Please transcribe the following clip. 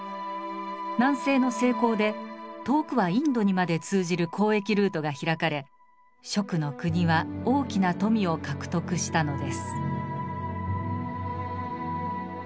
南征の成功で遠くはインドにまで通じる交易ルートが開かれ蜀の国は大きな富を獲得したのです。